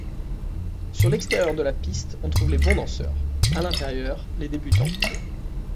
Sur l’extérieur de la piste on trouve les bons danseurs, à l’intérieur les débutants.